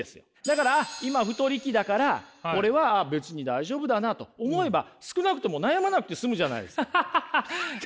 だから今太り期だから俺は別に大丈夫だなと思えば少なくとも悩まなくて済むじゃないですか。